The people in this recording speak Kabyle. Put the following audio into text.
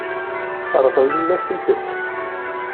Ṛeḍlen-asent-tent.